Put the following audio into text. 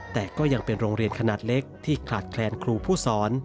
แต่ก็ยังเป็นโรงเรียนขนาดเล็กที่ขาดแคลนครูผู้สอน